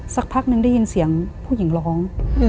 สักพักนึงได้ยินเสียงผู้หญิงร้อง